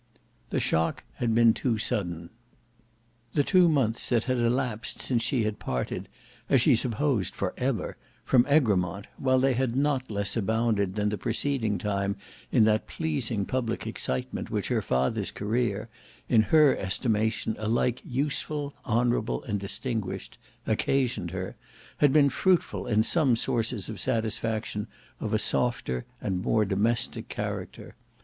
The shock too had been sudden. The two months that had elapsed since she had parted, as she supposed for ever, from Egremont, while they had not less abounded than the preceding time in that pleasing public excitement which her father's career, in her estimation alike useful, honourable, and distinguished, occasioned her, had been fruitful in some sources of satisfaction of a softer and more domestic character.